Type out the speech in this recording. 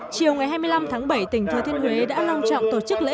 chiều ngày hai mươi năm tháng bảy tỉnh thừa thiên huế đã long trọng tổ chức lễ